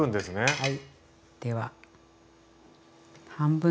はい。